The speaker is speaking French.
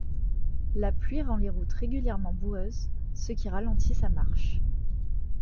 La pluie rend les routes régulièrement boueuses, ce qui ralentit sa marche.